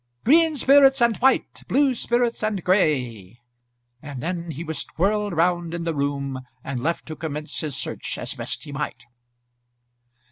"Green spirits and white; blue spirits and gray ," and then he was twirled round in the room and left to commence his search as best he might.